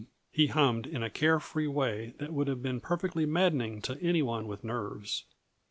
He hummed, in a care free way that would have been perfectly maddening to any one with nerves.